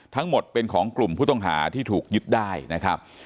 ทั้งหมดเป็นของกลุ่มผู้ต้องหาที่ถูกยึดได้นะครับ